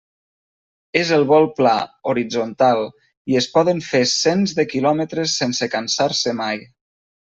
És el vol pla, horitzontal, i es poden fer cents de quilòmetres sense cansar-se mai.